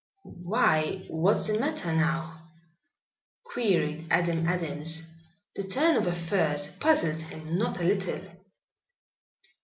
"Why, what's the matter now?" queried Adam Adams. The turn of affairs puzzled him not a little.